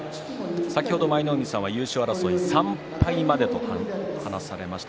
舞の海さんは優勝争い３敗までという話をされました。